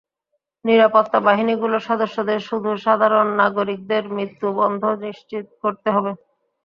নিরাপত্তা বাহিনীগুলোর সদস্যদের শুধু সাধারণ নাগরিকদের মৃত্যু বন্ধ নিশ্চিত করতে হবে।